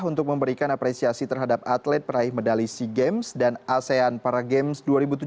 untuk memberikan apresiasi terhadap atlet peraih medali sea games dan asean para games dua ribu tujuh belas